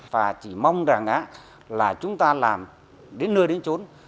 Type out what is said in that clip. và chỉ mong rằng là chúng ta làm đến nơi đến trốn